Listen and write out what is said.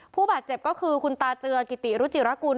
ผู้บาดเจ็บก็คือคุณตาเจือกิติรุจิรกุล